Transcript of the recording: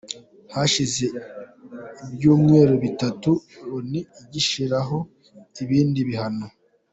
Hashize ibyumweru bitatu, Loni igishyiriraho ibindi bihano.